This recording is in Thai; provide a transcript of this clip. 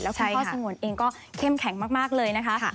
คุณพ่อสงวนเองก็เข้มแข็งมากเลยนะคะ